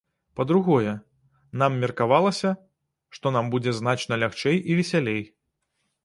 Па-другое, нам меркавалася, што нам будзе значна лягчэй і весялей.